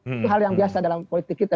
itu hal yang biasa dalam politik kita